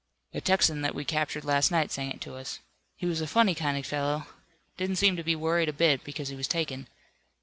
"A Texan that we captured last night sang it to us. He was a funny kind of fellow. Didn't seem to be worried a bit because he was taken.